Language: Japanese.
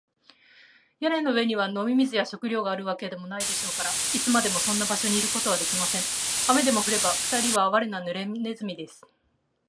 屋根の上には飲み水や食料があるわけでもないでしょうから、いつまでもそんな場所にいることはできません。雨でも降れば、ふたりはあわれな、ぬれネズミです。